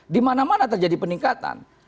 di mana mana terjadi peningkatan